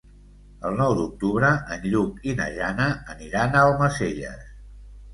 El nou d'octubre en Lluc i na Jana aniran a Almacelles.